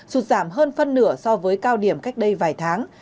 sụt giảm hơn phân nửa so với cao điểm cách đây vài tháng